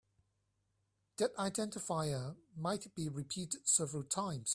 That identifier might be repeated several times.